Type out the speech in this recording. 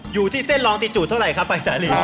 อยู่ที่เส้นลองตีจูเท่าไหร่ครับไปสาลี